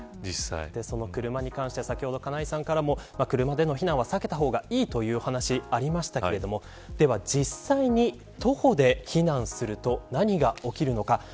車に関しては先ほど金井さんからも車での避難はさけた方がいいというお話がありましたがでは実際に、徒歩で避難すると何が起きるのか。